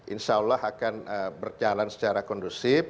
insya allah akan berjalan secara kondusif